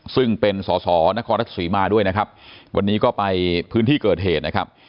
ซึ่งเป็นสสนครรัฐสุริมาด้วยวันนี้ก็ไปพื้นที่เกิดเหตุ